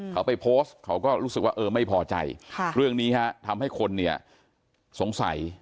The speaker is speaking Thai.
เขาไปโพสต์เขาก็รู้สึกว่าเออไม่พอใจเรื่องนี้ทำให้คนเนี่ยสงสัย